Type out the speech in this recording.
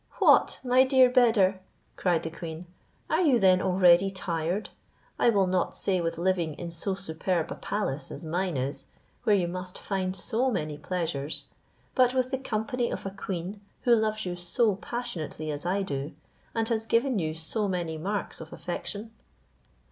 "What! my dear Beder," cried the queen, "are you then already tired, I will not say with living in so superb a palace as mine is, where you must find so many pleasures, but with the company of a queen, who loves you so passionately as I do, and has given you so many marks of affection?"